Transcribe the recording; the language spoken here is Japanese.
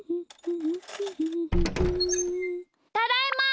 ただいま！